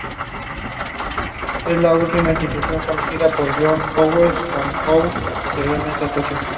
La industria petrolera influyó en la prosperidad de otros sectores de economía.